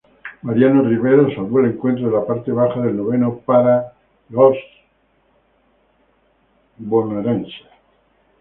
Mariano Rivera salvó el encuentro en la parte baja del noveno para los Yankees.